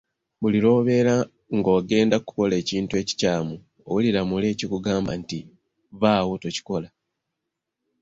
Buli lw'obeera ng'ogenda kukola ekintu ekikyamu owulira muli ekikugamba nti, "Vvaawo tokikola".